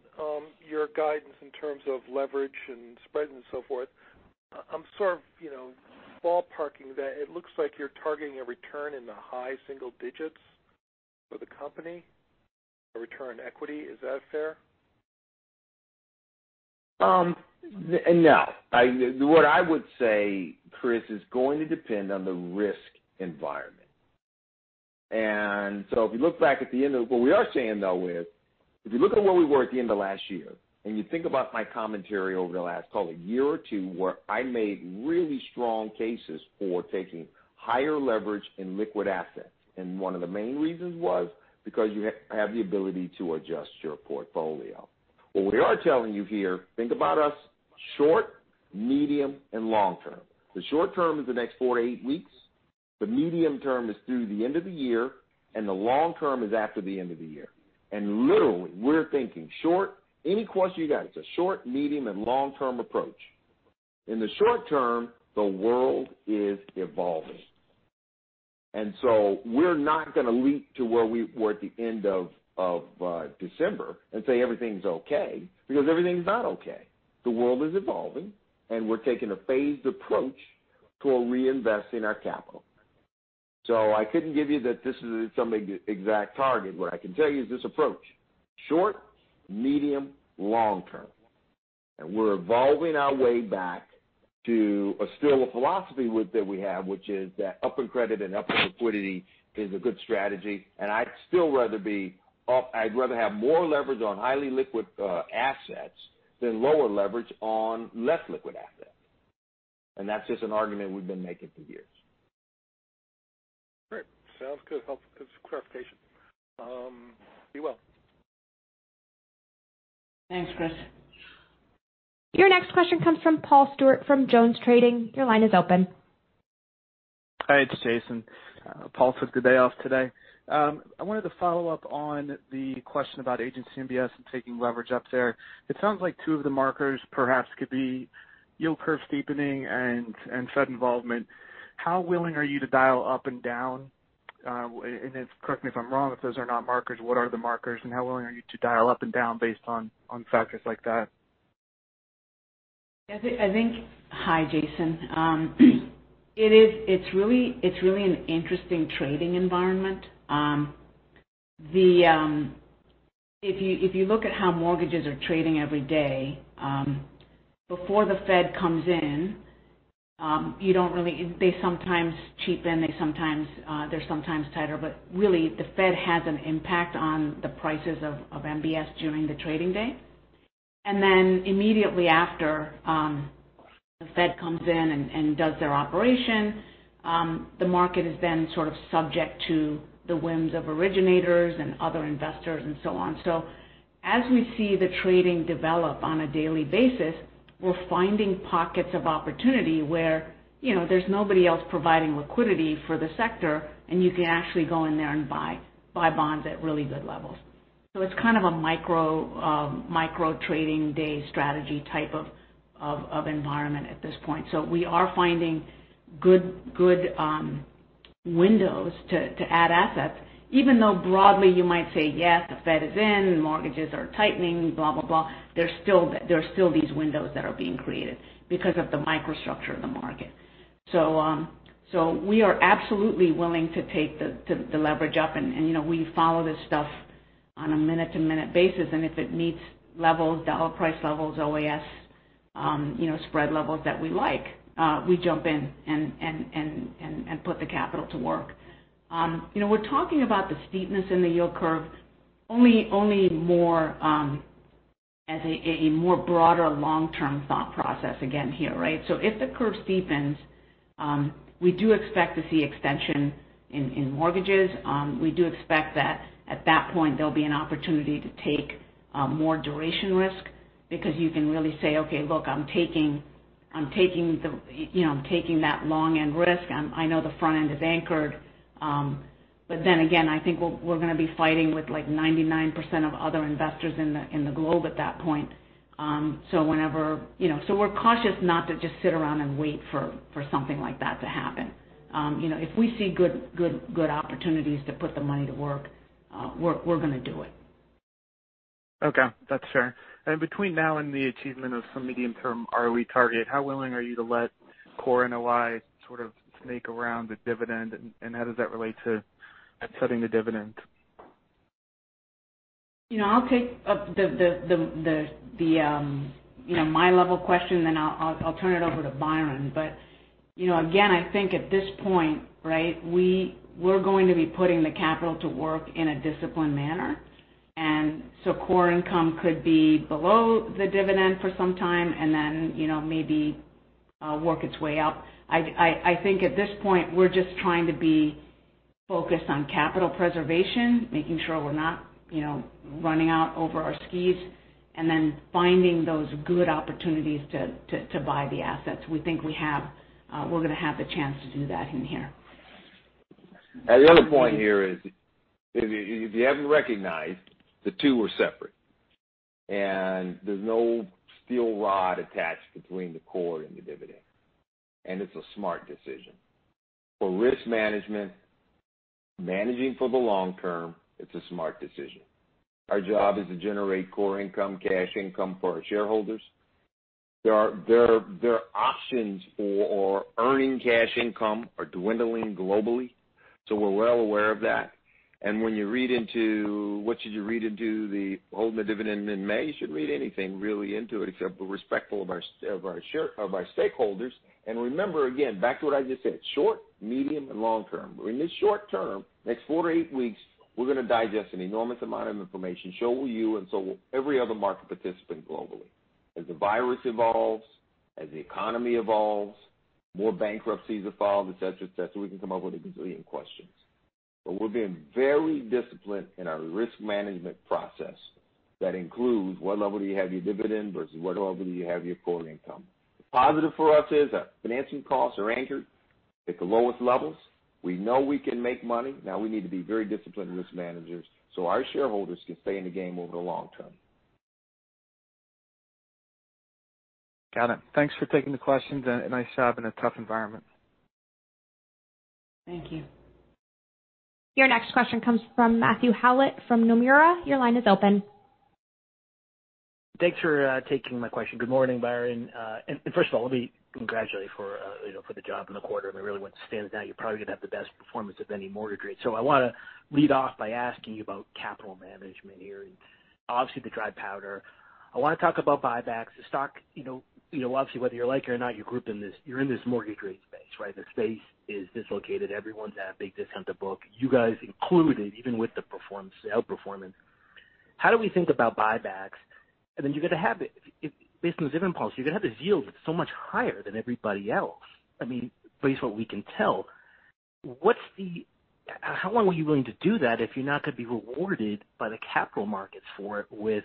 your guidance in terms of leverage and spreads and so forth, I'm sort of ballparking that it looks like you're targeting a return in the high single digits for the company, a return on equity. Is that fair? No. What I would say, Chris, is going to depend on the risk environment. What we are saying, though, is if you look at where we were at the end of last year, and you think about my commentary over the last, call it a year or two, where I made really strong cases for taking higher leverage in liquid assets. One of the main reasons was because you have the ability to adjust your portfolio. What we are telling you here, think about us short, medium, and long term. The short term is the next four to eight weeks. The medium term is through the end of the year. The long term is after the end of the year. Literally, we're thinking short. Any question you got, it's a short, medium, and long-term approach. In the short term, the world is evolving. We're not going to leap to where we were at the end of December and say everything's okay because everything's not okay. The world is evolving, and we're taking a phased approach to reinvesting our capital. I couldn't give you that this is some exact target. What I can tell you is this approach, short, medium, long term. We're evolving our way back to still a philosophy that we have, which is that up in credit and up in liquidity is a good strategy. I'd still rather have more leverage on highly liquid assets than lower leverage on less liquid assets. That's just an argument we've been making for years. Great. Sounds good. Helpful. Good clarification. Be well. Thanks, Chris. Your next question comes from Paul Stewart from Jones Trading. Your line is open. Hi, it's Jason. Paul took the day off today. I wanted to follow up on the question about agency MBS and taking leverage up there. It sounds like two of the markers perhaps could be yield curve steepening and Fed involvement. How willing are you to dial up and down? Correct me if I'm wrong, if those are not markers, what are the markers, and how willing are you to dial up and down based on factors like that? Hi, Jason. It's really an interesting trading environment. If you look at how mortgages are trading every day, before the Fed comes in they sometimes cheapen, they're sometimes tighter, really, the Fed has an impact on the prices of MBS during the trading day. Immediately after the Fed comes in and does their operation. The market is then sort of subject to the whims of originators and other investors and so on. As we see the trading develop on a daily basis, we're finding pockets of opportunity where there's nobody else providing liquidity for the sector, and you can actually go in there and buy bonds at really good levels. It's kind of a micro trading day strategy type of environment at this point. We are finding good windows to add assets, even though broadly you might say, yes, the Fed is in, mortgages are tightening, blah, blah. There are still these windows that are being created because of the microstructure of the market. We are absolutely willing to take the leverage up. We follow this stuff on a minute-to-minute basis, and if it meets levels, dollar price levels, OAS spread levels that we like, we jump in and put the capital to work. We're talking about the steepness in the yield curve only more as a more broader long-term thought process again here, right? If the curve steepens, we do expect to see extension in mortgages. We do expect that at that point there'll be an opportunity to take more duration risk because you can really say, okay, look, I'm taking that long end risk. I know the front end is anchored. I think we're going to be fighting with like 99% of other investors in the globe at that point. We're cautious not to just sit around and wait for something like that to happen. If we see good opportunities to put the money to work, we're going to do it. Okay. That's fair. Between now and the achievement of some medium-term ROE target, how willing are you to let core NOI sort of snake around the dividend? How does that relate to setting the dividend? I'll take my level question, then I'll turn it over to Byron. Again, I think at this point we're going to be putting the capital to work in a disciplined manner. Core income could be below the dividend for some time and then maybe work its way up. I think at this point we're just trying to be focused on capital preservation, making sure we're not running out over our skis and then finding those good opportunities to buy the assets. We think we're going to have the chance to do that in here. The other point here is, if you haven't recognized, the two are separate and there's no steel rod attached between the core and the dividend. It's a smart decision. For risk management, managing for the long term, it's a smart decision. Our job is to generate core income, cash income for our shareholders. Their options for earning cash income are dwindling globally. We're well aware of that. When you read into what should you read into the holding the dividend in May? You shouldn't read anything really into it except we're respectful of our stakeholders. Remember, again, back to what I just said, short, medium, and long term. In this short term, next four to eight weeks, we're going to digest an enormous amount of information. Will you, and so will every other market participant globally. As the virus evolves, as the economy evolves, more bankruptcies are filed, et cetera, et cetera. We can come up with a gazillion questions. We're being very disciplined in our risk management process. That includes what level do you have your dividend versus what level do you have your core income. Positive for us is that financing costs are anchored at the lowest levels. We know we can make money. We need to be very disciplined risk managers so our shareholders can stay in the game over the long term. Got it. Thanks for taking the questions, and nice job in a tough environment. Thank you. Your next question comes from Matthew Howlett from Nomura. Your line is open. Thanks for taking my question. Good morning, Byron. First of all, let me congratulate you for the job in the quarter. I mean, really what stands out, you're probably going to have the best performance of any mortgage REIT. I want to lead off by asking you about capital management here, and obviously the dry powder. I want to talk about buybacks. The stock, obviously whether you like it or not, you're grouped in this mortgage REIT space, right? The space is dislocated. Everyone's at a big discount to book, you guys included, even with the outperformance. How do we think about buybacks? Then based on the dividend policy, you're going to have this yield that's so much higher than everybody else. I mean, based on what we can tell. How long were you willing to do that if you're not going to be rewarded by the capital markets for it with,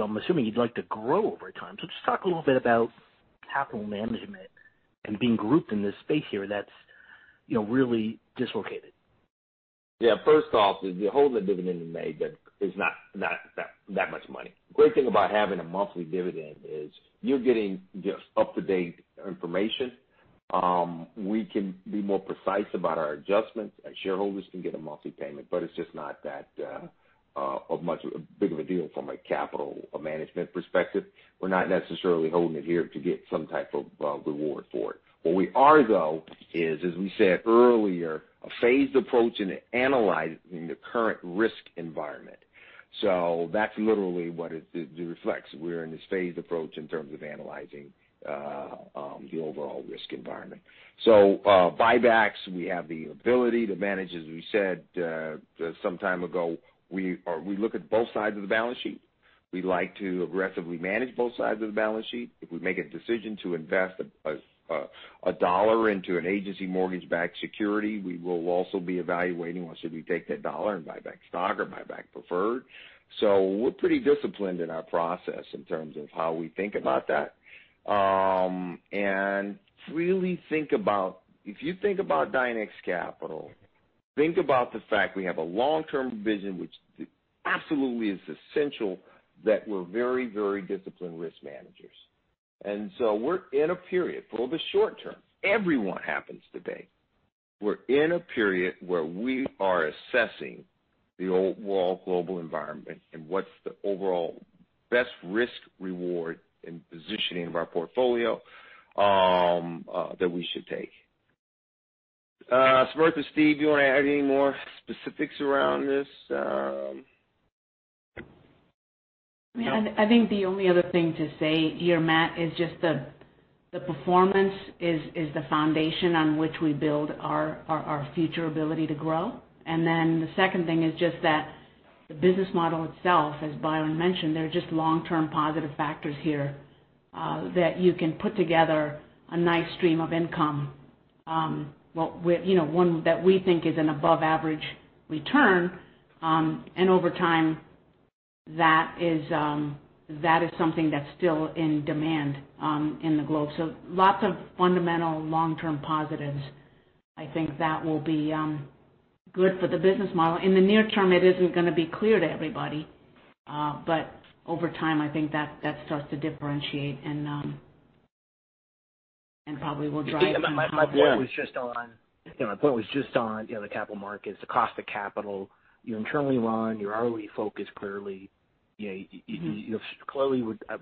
I'm assuming you'd like to grow over time? Just talk a little bit about capital management and being grouped in this space here that's really dislocated. Yeah. First off is you're holding the dividend in May, it's not that much money. Great thing about having a monthly dividend is you're getting just up-to-date information. We can be more precise about our adjustments, shareholders can get a monthly payment, it's just not that big of a deal from a capital management perspective. We're not necessarily holding it here to get some type of reward for it. What we are, though, is, as we said earlier, a phased approach into analyzing the current risk environment. That's literally what it reflects. We're in this phased approach in terms of analyzing the overall risk environment. Buybacks, we have the ability to manage, as we said some time ago. We look at both sides of the balance sheet. We like to aggressively manage both sides of the balance sheet. If we make a decision to invest a dollar into an agency mortgage-backed security, we will also be evaluating, well, should we take that dollar and buy back stock or buy back preferred? We're pretty disciplined in our process in terms of how we think about that. If you think about Dynex Capital, think about the fact we have a long-term vision, which absolutely is essential, that we're very disciplined risk managers. We're in a period, for the short term. Everyone happens today. We're in a period where we are assessing the overall global environment and what's the overall best risk-reward in positioning of our portfolio that we should take. Smriti, Steve, do you want to add any more specifics around this? I think the only other thing to say here, Matt, is just the performance is the foundation on which we build our future ability to grow. The second thing is just that the business model itself, as Byron mentioned, there are just long-term positive factors here that you can put together a nice stream of income. One that we think is an above-average return. Over time, that is something that's still in demand in the globe. Lots of fundamental long-term positives. I think that will be good for the business model. In the near term, it isn't going to be clear to everybody. Over time, I think that starts to differentiate. My point was just on the capital markets, the cost of capital. You're internally run, you're ROE focused, clearly. I'm assuming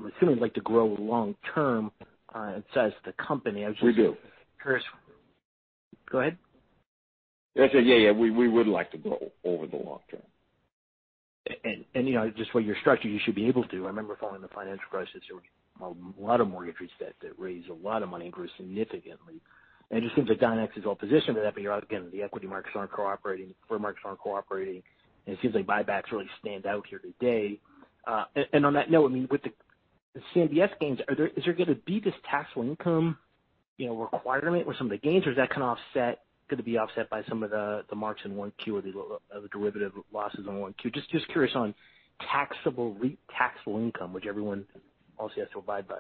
you'd like to grow long term as the company. We do. Curious. Go ahead. Yeah. We would like to grow over the long term. Just the way you're structured, you should be able to. I remember following the financial crisis, there were a lot of mortgage REITs that raised a lot of money and grew significantly. It just seems like Dynex is well-positioned for that. Again, the equity markets aren't cooperating, and it seems like buybacks really stand out here today. On that note, with the CMBS gains, is there going to be this taxable income requirement with some of the gains, or is that going to be offset by some of the marks in 1Q or the derivative losses on 1Q? Just curious on taxable income, which everyone obviously has to abide by.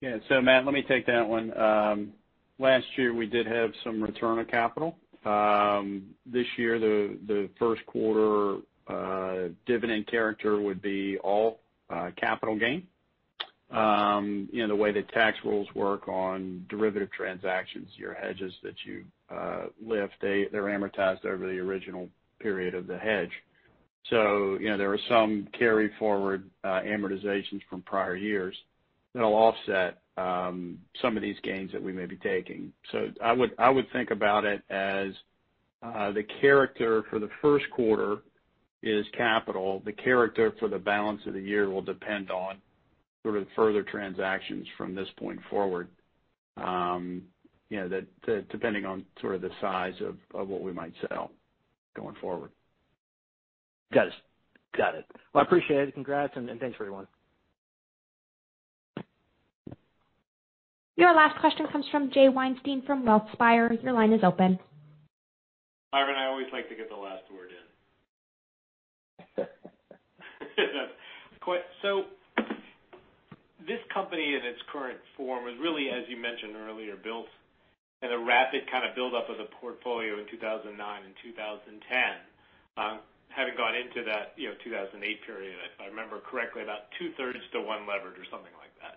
Yeah. Matt, let me take that one. Last year, we did have some return of capital. This year, the first quarter dividend character would be all capital gain. The way the tax rules work on derivative transactions, your hedges that you lift, they're amortized over the original period of the hedge. There are some carry-forward amortizations from prior years that'll offset some of these gains that we may be taking. I would think about it as the character for the first quarter is capital. The character for the balance of the year will depend on sort of further transactions from this point forward, depending on sort of the size of what we might sell going forward. Got it. Well, I appreciate it. Congrats. Thanks, everyone. Your last question comes from Jay Weinstein from Wealthspire. Your line is open. Byron, I always like to get the last word in. This company in its current form was really, as you mentioned earlier, built in a rapid kind of buildup of the portfolio in 2009 and 2010. Having gone into that 2008 period, if I remember correctly, about two-thirds to one leverage or something like that.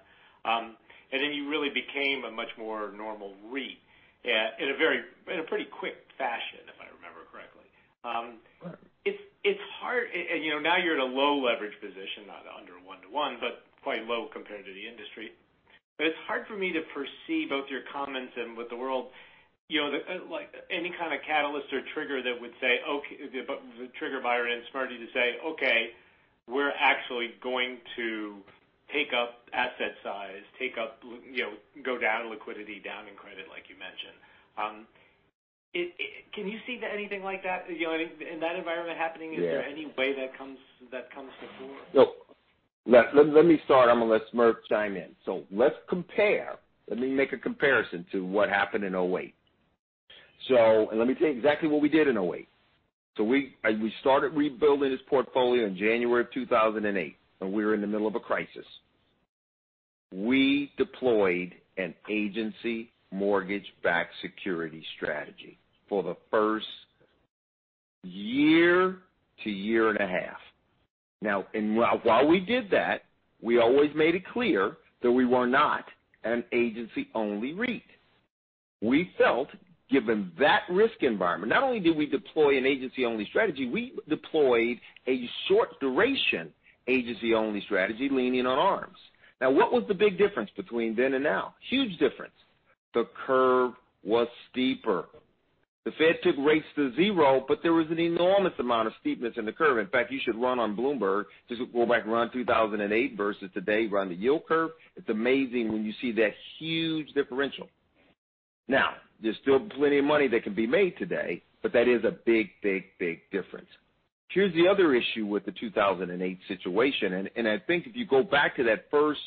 You really became a much more normal REIT in a pretty quick fashion, if I remember correctly. Right. Now you're at a low leverage position, not under one-to-one, but quite low compared to the industry. It's hard for me to perceive both your comments and with the world, any kind of catalyst or trigger that would say, okay, trigger Byron and Smriti to say, "Okay, we're actually going to take up asset size, go down liquidity, down in credit," like you mentioned. Can you see to anything like that in that environment happening? Yeah. Is there any way that comes to fore? Let me start, I'm going to let Smriti chime in. Let's compare. Let me make a comparison to what happened in 2008. Let me tell you exactly what we did in 2008. We started rebuilding this portfolio in January of 2008, and we were in the middle of a crisis. We deployed an agency mortgage-backed security strategy for the first year to year and a half. While we did that, we always made it clear that we were not an agency-only REIT. We felt, given that risk environment, not only did we deploy an agency-only strategy, we deployed a short duration agency-only strategy leaning on ARMs. What was the big difference between then and now? Huge difference. The curve was steeper. The Fed took rates to zero, there was an enormous amount of steepness in the curve. In fact, you should run on Bloomberg, just go back and run 2008 versus today, run the yield curve. It's amazing when you see that huge differential. There's still plenty of money that can be made today, but that is a big, big, big difference. Here's the other issue with the 2008 situation, and I think if you go back to that first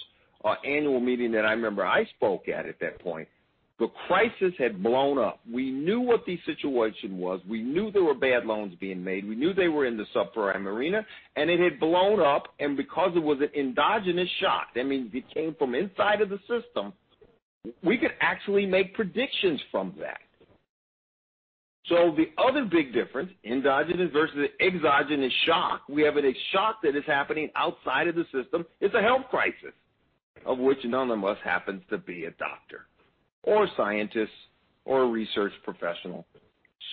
annual meeting that I remember I spoke at that point, the crisis had blown up. We knew what the situation was. We knew there were bad loans being made. We knew they were in the subprime arena, and it had blown up, and because it was an endogenous shock, that means it came from inside of the system, we could actually make predictions from that. The other big difference, endogenous versus exogenous shock. We have a shock that is happening outside of the system. It's a health crisis, of which none of us happens to be a doctor or a scientist or a research professional.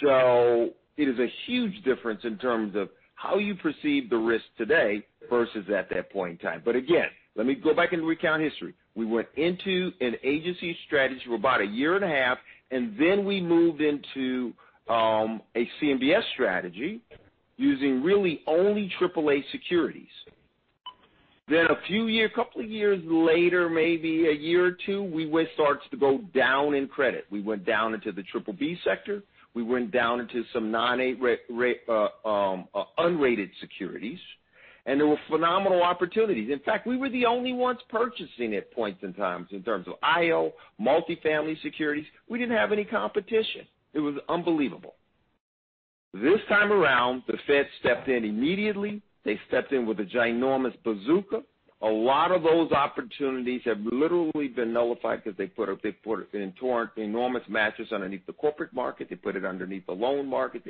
It is a huge difference in terms of how you perceive the risk today versus at that point in time. Again, let me go back and recount history. We went into an agency strategy for about a year and a half, and then we moved into a CMBS strategy using really only AAA securities. Couple of years later, maybe a year or two, we were start to go down in credit. We went down into the triple B sector. We went down into some unrated securities, and there were phenomenal opportunities. In fact, we were the only ones purchasing at points in times in terms of IO, multifamily securities. We didn't have any competition. It was unbelievable. This time around, the Fed stepped in immediately. They stepped in with a ginormous bazooka. A lot of those opportunities have literally been nullified because they put an enormous mattress underneath the corporate market. They put it underneath the loan market.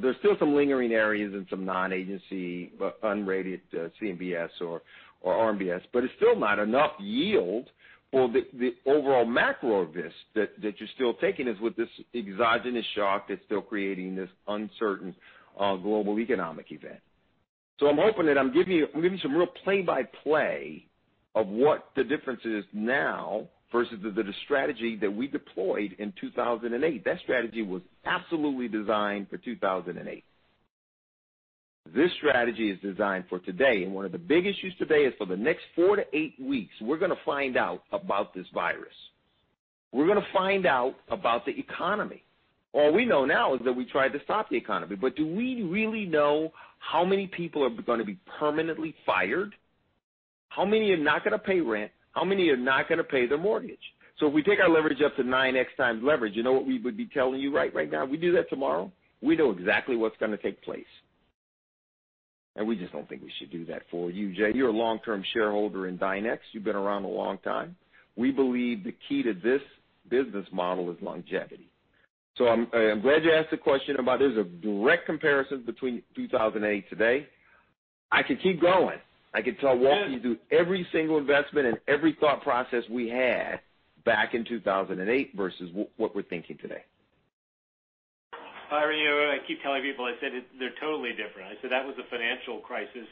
There's still some lingering areas in some non-agency unrated CMBS or RMBS, but it's still not enough yield for the overall macro risk that you're still taking is with this exogenous shock that's still creating this uncertain global economic event. I'm hoping that I'm giving you some real play-by-play of what the difference is now versus the strategy that we deployed in 2008. That strategy was absolutely designed for 2008. This strategy is designed for today, and one of the big issues today is for the next four to eight weeks, we're going to find out about this virus. We're going to find out about the economy. All we know now is that we tried to stop the economy, Do we really know how many people are going to be permanently fired? How many are not going to pay rent? How many are not going to pay their mortgage? If we take our leverage up to 9x times leverage, you know what we would be telling you right now? We just don't think we should do that for you, Jason. You're a long-term shareholder in Dynex. You've been around a long time. We believe the key to this business model is longevity. I'm glad you asked the question about There's a direct comparison between 2008 and today. I could keep going. I could tell walk you- Yeah through every single investment and every thought process we had back in 2008 versus what we're thinking today. Byron, I keep telling people, I said they're totally different. I said that was a financial crisis,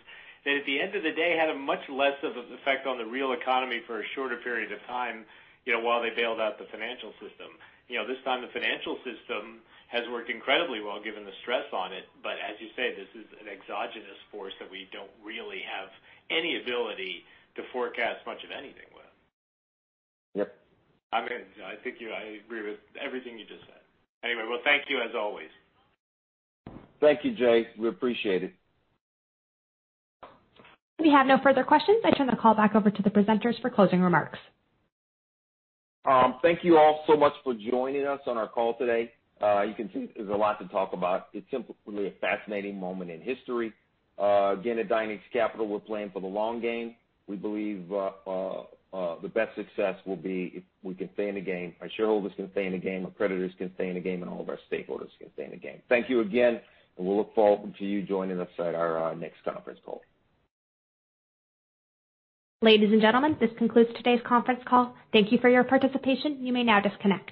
that at the end of the day, had a much less of an effect on the real economy for a shorter period of time, while they bailed out the financial system. This time, the financial system has worked incredibly well given the stress on it. As you say, this is an exogenous force that we don't really have any ability to forecast much of anything with. Yep. I agree with everything you just said. Well, thank you as always. Thank you, Jay. We appreciate it. We have no further questions. I turn the call back over to the presenters for closing remarks. Thank you all so much for joining us on our call today. You can see there's a lot to talk about. It's simply a fascinating moment in history. Again, at Dynex Capital, we're playing for the long game. We believe the best success will be if we can stay in the game, our shareholders can stay in the game, our creditors can stay in the game, and all of our stakeholders can stay in the game. Thank you again, and we'll look forward to you joining us at our next conference call. Ladies and gentlemen, this concludes today's conference call. Thank you for your participation. You may now disconnect.